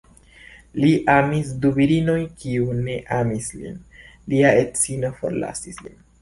Li amis du virinojn kiuj ne amis lin; lia edzino forlasis lin.